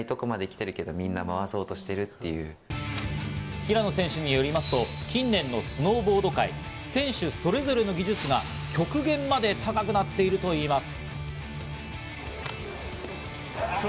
平野選手によりますと、近年のスノーボード界、選手それぞれの技術が極限まで高くなってるといいます。